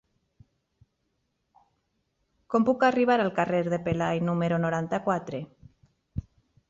Com puc arribar al carrer de Pelai número noranta-quatre?